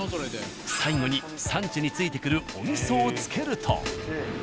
最後にサンチュについてくるお味噌をつけると。